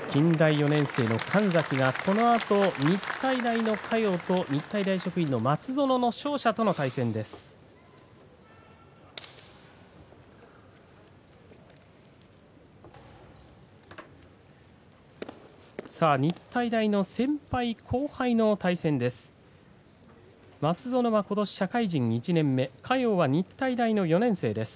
日体大の先輩後輩の対戦です。